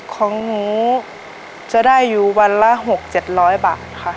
ของหนูจะได้อยู่วันละหกเจ็ดร้อยบาทค่ะ